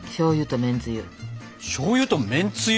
しょうゆとめんつゆ。